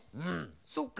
そっか